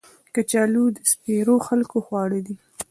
کچالو د سپېرو خلکو خواړه دي